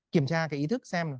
kiểm tra cái ý thức xem